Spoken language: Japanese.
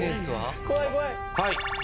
はい。